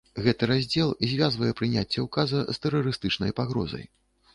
Гэты раздзел звязвае прыняцце ўказа з тэрарыстычнай пагрозай.